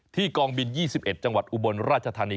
กองบิน๒๑จังหวัดอุบลราชธานี